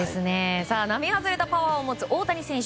並外れたパワーを持つ大谷選手。